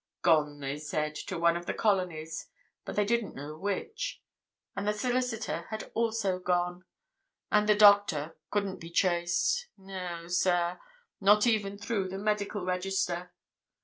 Gone, they said, to one of the colonies, but they didn't know which. And the solicitor had also gone. And the doctor—couldn't be traced, no, sir, not even through the Medical Register.